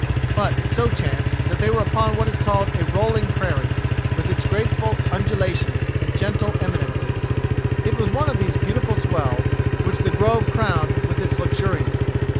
But it so chanced that they were upon what is called a rolling prairie, with its graceful undulations and gentle eminences. It was one of these beautiful swells which the grove crowned with its luxuriance.